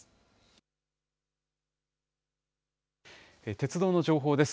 鉄道の情報です。